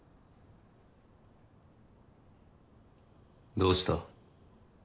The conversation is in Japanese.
どうした？